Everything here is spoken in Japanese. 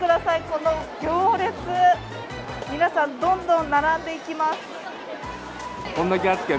この行列、皆さん、どんどん並んでいきます。